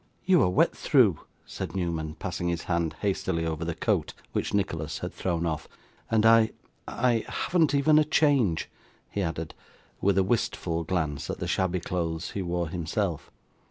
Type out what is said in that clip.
'You are wet through,' said Newman, passing his hand hastily over the coat which Nicholas had thrown off; 'and I I haven't even a change,' he added, with a wistful glance at the shabby clothes he wore himself.